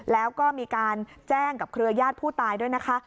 แล้วก็มีการแจ้งกับเครือญาติผู้ตายด้วยนะคะ